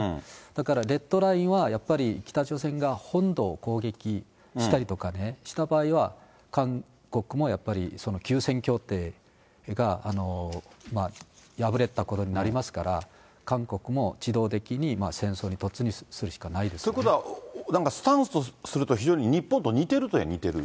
だからレッドラインはやっぱり北朝鮮が本土を攻撃したりとかした場合は、韓国もやっぱり、休戦協定が破れたことになりますから、韓国も自動的に戦争に突入ということは、なんかスタンスとしては非常に日本と似てるといえばにてる？